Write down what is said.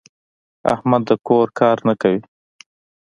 احمد د کور کار نه کوي.